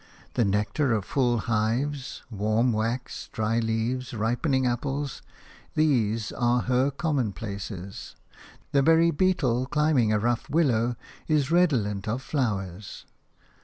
The nectar of full hives, warm wax, dry leaves, ripening apples – these are her commonplaces. The very beetle climbing a rough willow is redolent of flowers.